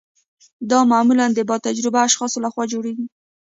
دا معمولا د با تجربه اشخاصو لخوا جوړیږي.